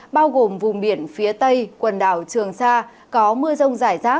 bao gồm vùng biển phía tây quần đảo trường sa có mưa rông rải rác